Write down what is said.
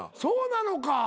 そうなのか。